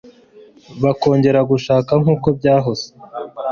bakongera gushaka nkuko byahose